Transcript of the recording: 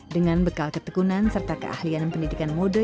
dengan bekal ketekunan serta keahlian pendidikan mode